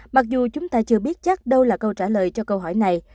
mặc dù chúng ta chưa biết chắc đâu là câu trả lời cho câu hỏi này